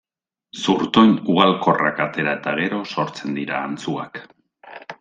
Zurtoin ugalkorrak atera eta gero sortzen dira antzuak.